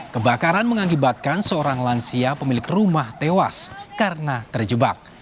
kebakaran mengakibatkan seorang lansia pemilik rumah tewas karena terjebak